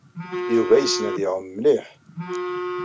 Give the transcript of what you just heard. Yuba yessen ad iɛum mliḥ.